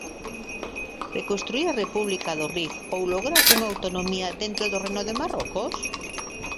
Reconstituír a República do Rif ou lograr unha autonomía dentro do Reino de Marrocos?